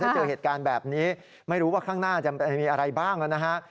เจอเหตุการณ์แบบนี้ไม่รู้ว่าข้างหน้าจะมีอะไรบ้างนะฮะ